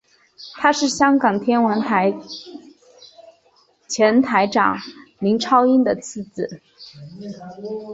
他是香港天文台前台长林超英的次子。